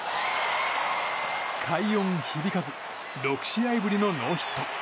快音響かず６試合ぶりのノーヒット。